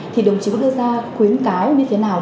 thì đồng chí có đưa ra khuyến cáo như thế nào